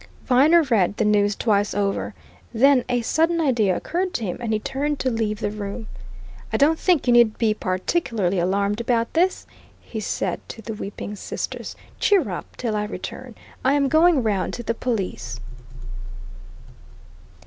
Viner read this news twice over. Then a sudden idea occurred to him, and he turned to leave the room. "I don't think you need be particularly alarmed about this," he said to the weeping sisters. "Cheer up, till I return I am going round to the police."